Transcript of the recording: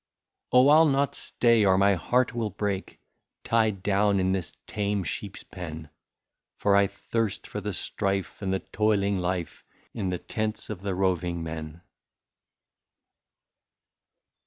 Oh ! I '11 not stay, or my heart will break, Tied down in this tame sheep's pen, For I thirst for the strife and the toiling life, In the tents of the roving men.